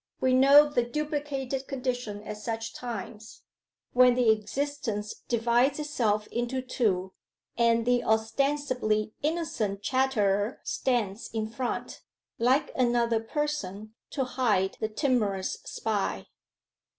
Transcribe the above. We know the duplicated condition at such times when the existence divides itself into two, and the ostensibly innocent chatterer stands in front, like another person, to hide the timorous spy.